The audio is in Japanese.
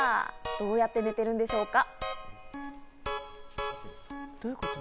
どうやって寝ているんでしょうか？